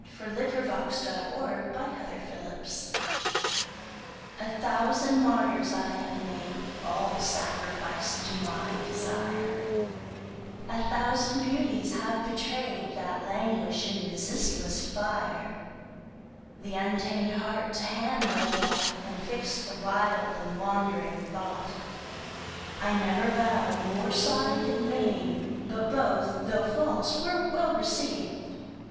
Aphra Behn A Thousand Martyrs I Have Made A THOUSAND Martyrs I have made, All sacrific'd to my desire; A thousand Beauties have betray'd, That languish in resistless Fire. The untam'd Heart to hand I brought, And fixt the wild and wandring Thought. I never vow'd nor sigh'd in vain But both, thô false, were well receiv'd.